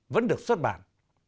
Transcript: vẫn được xuất bản